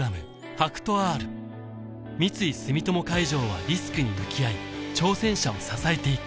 ＨＡＫＵＴＯ−Ｒ三井住友海上はリスクに向き合い挑戦者を支えていく